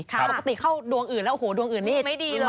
ปกติเข้าดวงอื่นแล้วโอ้โหดวงอื่นไม่ดีเลย